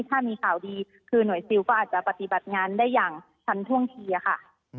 ถ้ามีข่าวดีคือหน่วยซิลก็อาจจะปฏิบัติงานได้อย่างทันท่วงทีค่ะ